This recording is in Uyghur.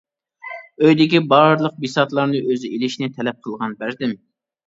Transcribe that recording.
ئۆيدىكى بارلىق بىساتلارنى ئۆزى ئېلىشنى تەلەپ قىلغان، بەردىم.